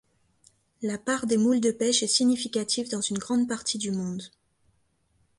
La part des moules de pêche est significative dans une grande partie du monde.